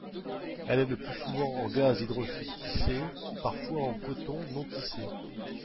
Elle est le plus souvent en gaze hydrophile tissée, parfois en coton non tissé.